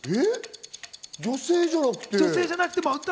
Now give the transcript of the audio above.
女性じゃなくて。